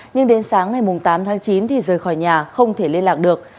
nhưng đến sáng ngày tám tháng chín thì rời khỏi nhà không thể liên lạc được